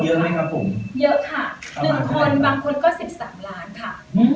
เยอะไหมครับผมเยอะค่ะหนึ่งคนบางคนก็สิบสามล้านค่ะ